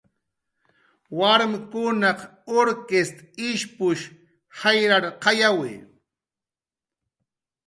Warmkunaq urkist ishpush jayrarqayawi